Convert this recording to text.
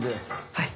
はい。